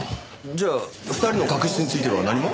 じゃあ２人の確執については何も？